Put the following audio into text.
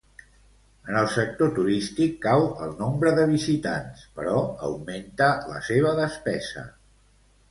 En el sector turístic, cau el nombre de visitants, però augmenta la seva despesa.